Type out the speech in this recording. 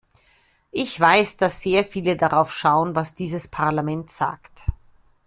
Ich weiß, dass sehr viele darauf schauen, was dieses Parlament sagt.